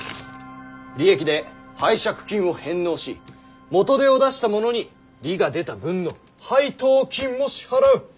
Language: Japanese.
利益で拝借金を返納し元手を出した者に利が出た分の配当金も支払う。